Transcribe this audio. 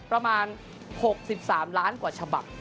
ประมาณ๖๓ล้านกว่าฉบับ